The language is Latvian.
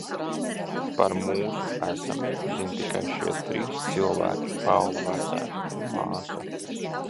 Par mūsu esamību zin tikai šie trīs cilvēki: Paula vecāki un māsa.